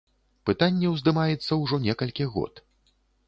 Пытанне ўздымаецца ўжо некалькі год.